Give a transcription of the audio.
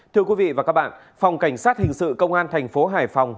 thưa quý vị và các bạn phòng cảnh sát hình sự công an tp hải phòng